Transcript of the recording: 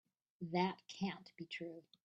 That can't be true.